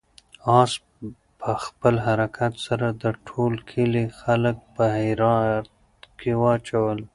آس په خپل حرکت سره د ټول کلي خلک په حیرت کې واچول.